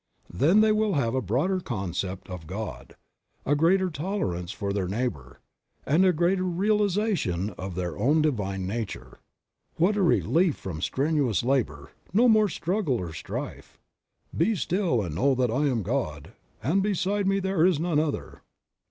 Then they will have a broader concept 6 Creative Mind. of God, a greater tolerance for their neighbor, and a greater realization of their own divine nature. What a relief from strenuous labor; no more struggle or strife. "Be still and know that I am God, and beside me there is none other."